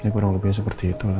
kurang lebih seperti itu